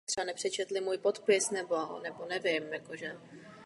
S vývojem technologií a osobními problémy přišla změna pro podniky sester.